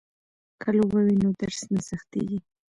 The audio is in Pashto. که لوبه وي نو درس نه سختيږي.